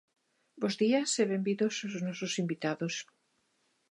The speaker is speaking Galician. Bos días e benvidos os nosos invitados.